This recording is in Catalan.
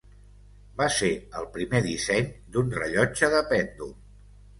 Va ser el primer disseny d'un rellotge de pèndol.